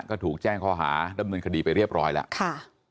ก็ถูกแจ้งข้อหาดำเนินคดีไปเรียบร้อยแล้วค่ะ